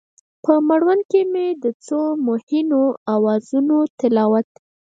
په مړوند کې به مې د څو مهینو اوازونو تلاوت،